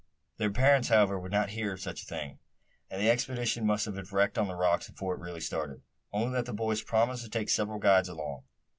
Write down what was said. Their parents, however, would not hear of such a thing; and the expedition must have been wrecked on the rocks before it really started, only that the boys promised to take several guides along.